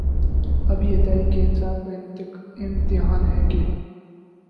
اب یہ تحریک انصاف کا امتحان ہے کہ